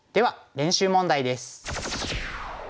練習問題です。